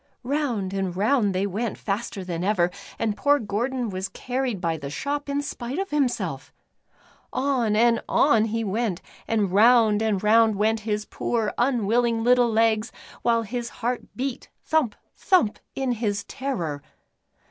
Round and round they went, faster than ever, and poor Gordon was carried by the shop in spite of himself ! On and on he went, 58 The N. S. Bicycle. and round and round went his poor, unwilling, little legs, while his heart beat "thump, thump," in his terror.